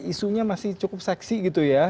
yang boleh jadi isunya masih cukup seksi gitu ya